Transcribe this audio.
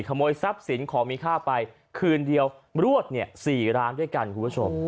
ขโมยทรัพย์สินของมีค่าไปคืนเดียวรวด๔ร้านด้วยกันคุณผู้ชม